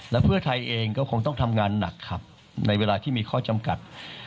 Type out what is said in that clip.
และเพื่อไทยเองก็คงต้องทำงานหนักครับในเวลาที่มีข้อจำกัด